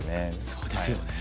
そうですよね。